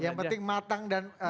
yang penting matang dan